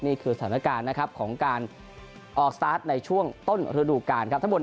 นี่คือสถานการณ์นะครับของการออกสตาร์ทในช่วงต้นฤดูการครับทั้งหมด